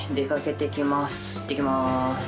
いってきます。